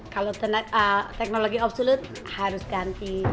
kalau teknologi absolut harus ganti